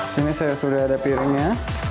sini sudah ada piringnya